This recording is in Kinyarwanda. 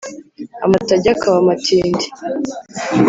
Amatage akaba amatindi